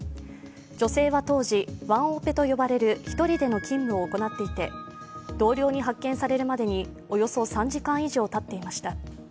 女性は当時、ワンオペと呼ばれる１人での勤務を行っていて同僚に発見されるまでにおよそ３時間以上たっていました。